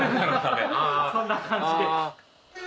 そんな感じで。